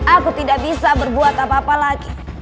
aku tidak bisa berbuat apa apa lagi